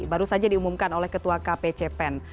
baru saja diumumkan oleh ketua kpcpen